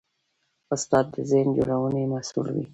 استاد د ذهن جوړونې مسوول وي.